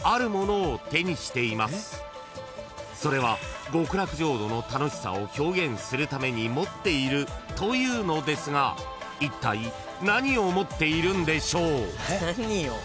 ［それは極楽浄土の楽しさを表現するために持っているというのですがいったい何を持っているんでしょう？］